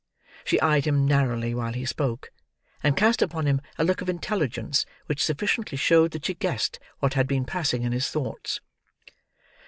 She eyed him narrowly, while he spoke; and cast upon him a look of intelligence which sufficiently showed that she guessed what had been passing in his thoughts.